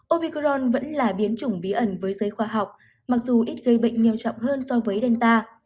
opicron vẫn là biến chủng bí ẩn với giới khoa học mặc dù ít gây bệnh nghiêm trọng hơn so với delta